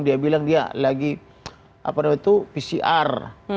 dia bilang dia lagi apa itu pcr